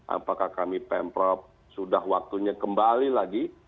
apakah kami pemprov sudah waktunya kembali lagi